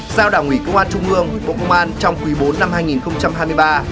giao đảo nghỉ công an trung ương bộ công an trong quý bốn năm hai nghìn hai mươi ba